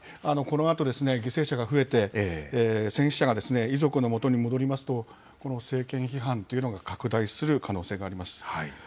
このあと犠牲者が増えて、戦死者が遺族のもとに戻りますと、この政権批判というのが拡大する可能性があります。